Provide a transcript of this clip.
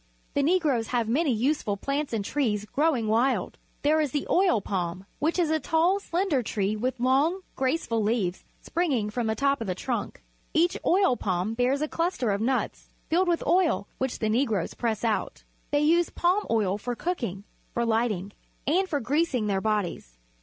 The Negroes have many useful plants and trees growing wild. There is the oil palm. This is a tall, .slender tree with long, graceful leaves springing from the top of the trunk. Each oil palm bears a cluster of nuts, filled with oil, which the Negroes press out. They use palm oil for cooking, for light ing, and for greasing their bodies.